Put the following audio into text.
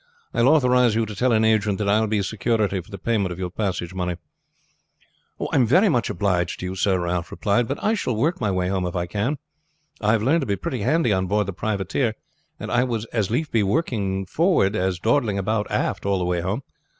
"I will authorize you to tell an agent that I will be security for the payment of your passage money." "I am very much obliged to you, sir," Ralph replied; "but I shall work my way home if I can. I have learned to be pretty handy on board the privateer, and I would as lief be working forward as dawdling about aft all the way home.